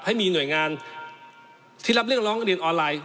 ให้มีหน่วยงานที่รับเรื่องร้องเรียนออนไลน์